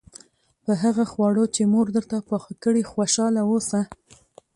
په هغه خواړو چې مور درته پاخه کړي خوشاله اوسه.